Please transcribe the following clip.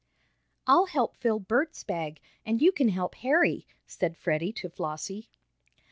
"I'll help fill Bert's bag, and you can help Harry," said Freddie to Flossie.